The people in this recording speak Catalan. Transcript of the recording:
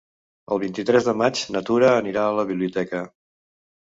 El vint-i-tres de maig na Tura anirà a la biblioteca.